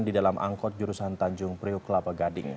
di dalam angkot jurusan tanjung priuk kelapa gading